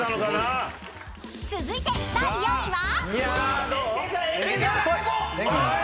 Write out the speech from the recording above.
［続いて第４位は？］